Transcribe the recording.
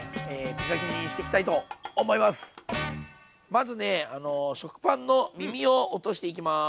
まずね食パンの耳を落としていきます。